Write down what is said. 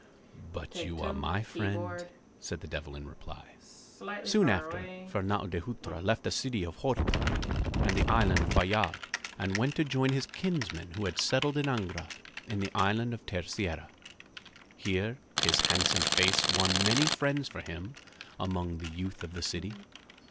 "But you are my friend," said the Devil in reply. Soon after, Fernâo de Hutra left the city of Horta and the island of Fayal and went to join his kinsmen who had settled in Angra in the island of Terceira. Here his handsome face won many friends for him among the youth of the city.